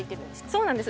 そうなんです。